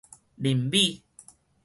林美